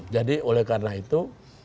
jadi oleh karena itu